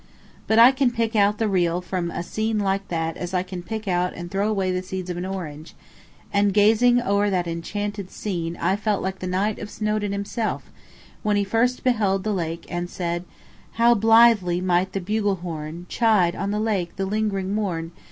But I can pick out the real from a scene like that as I can pick out and throw away the seeds of an orange, and gazing o'er that enchanted scene I felt like the Knight of Snowdoun himself, when he first beheld the lake and said: "How blithely might the bugle horn Chide, on the lake, the lingering morn!"